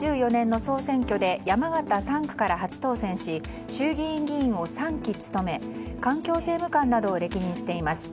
２０１４年の総選挙で山形３区から初当選し衆議院議員を３期務め環境政務官などを歴任しています。